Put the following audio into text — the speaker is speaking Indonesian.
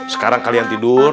sekarang kalian tidur